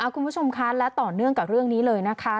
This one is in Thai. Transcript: คุณผู้ชมคะและต่อเนื่องกับเรื่องนี้เลยนะคะ